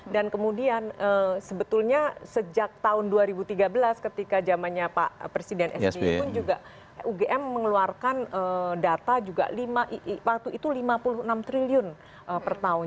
dan kemudian sebetulnya sejak tahun dua ribu tiga belas ketika jamannya pak presiden sbi pun juga ugm mengeluarkan data juga itu lima puluh enam triliun per tahun